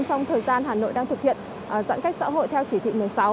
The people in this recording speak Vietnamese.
trong thời gian hà nội đang thực hiện giãn cách xã hội theo chỉ thị một mươi sáu